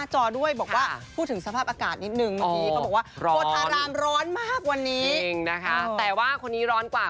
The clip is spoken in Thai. แหงนะครับแต่ว่าคนนี้ร้อนกว่า